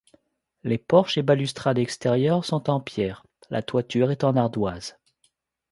Les porches et balustrade extérieure sont en pierre, la toiture est en ardoises.